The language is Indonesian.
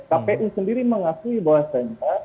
kpu sendiri mengakui bahwa